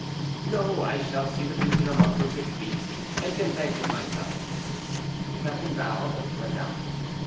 "No, I shall see the duke in a month or six weeks, and can thank him myself." The captain bowed and went out.